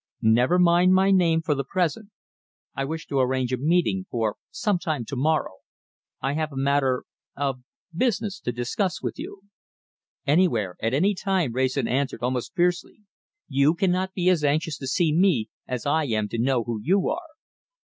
"Never mind my name for the present. I wish to arrange a meeting for some time to morrow. I have a matter of business to discuss with you." "Anywhere at any time," Wrayson answered, almost fiercely. "You cannot be as anxious to see me as I am to know who you are."